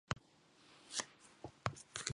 北海道積丹町